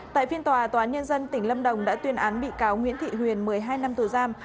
tại phiên tòa tòa nhân dân tỉnh lâm đồng đã tuyên án bị cáo nguyễn thị huyền một mươi hai năm tù giam